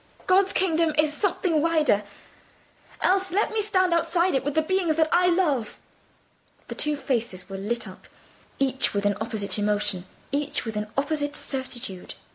"God's kingdom is something wider—else, let me stand outside it with the beings that I love." The two faces were lit up, each with an opposite emotion, each with an opposite certitude.